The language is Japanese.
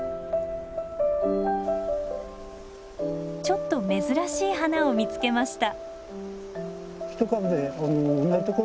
ちょっと珍しい花を見つけました。